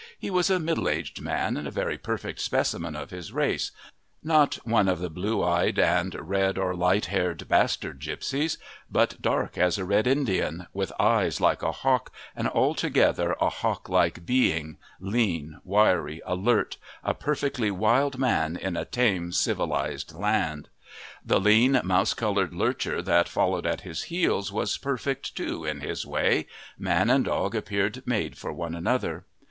He was a middle aged man and a very perfect specimen of his race not one of the blue eyed and red or light haired bastard gipsies, but dark as a Red Indian, with eyes like a hawk, and altogether a hawk like being, lean, wiry, alert, a perfectly wild man in a tame, civilized land. The lean, mouse coloured lurcher that followed at his heels was perfect too, in his way man and dog appeared made for one another.